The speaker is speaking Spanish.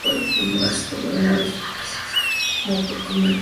Al mudarse por primera vez a Londres enfermó por comer comida contaminada.